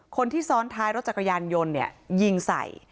คนที่ซ้อนท้ายรถจักรยานยนต์เนี่ยยิงใส่